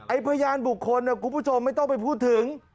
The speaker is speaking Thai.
พยานบุคคลคุณผู้ชมไม่ต้องไปพูดถึง